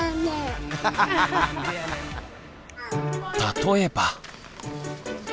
例えば。